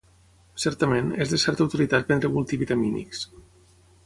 Certament, és de certa utilitat prendre multivitamínics.